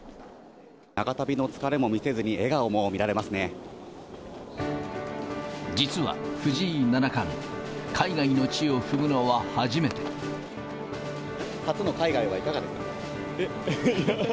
長旅の疲れも見せずに、実は藤井七冠、海外の地を踏初の海外はいかがですか？